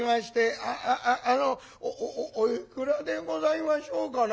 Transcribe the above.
「ああああのおおおおいくらでございましょうかな？」。